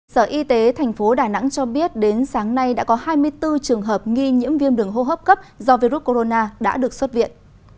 sở y tế tp đà nẵng cho biết đến sáng nay đã có hai mươi bốn trường hợp nghi nhiễm viêm đường hô hấp cấp do virus corona đã được xuất viện